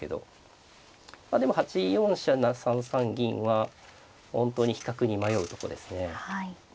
でも８四飛車３三銀は本当に比較に迷うとこですね。